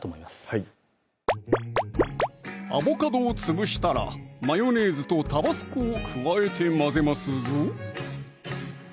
はいアボカドを潰したらマヨネーズとタバスコを加えて混ぜますぞ